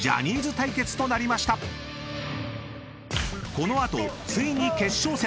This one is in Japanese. ［この後ついに決勝戦！